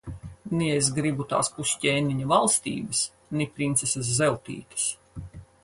Ni es gribu tās pusķēniņa valstības, ni princeses Zeltītes.